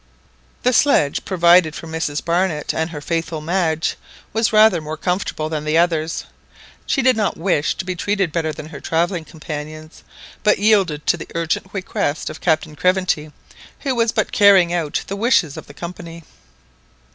The sledge provided for Mrs Barnett and her faithful Madge was rather more comfortable than the others. She did not wish to be treated better than her travelling companions, but yielded to the urgent request of Captain Craventy, who was but carrying out the wishes of the Company.